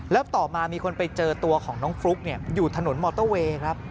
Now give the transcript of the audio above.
แล้วต่อมามีคนไปเจอตัวของน้องฟลุ๊กอยู่ถนนมอเตอร์เวย์ครับ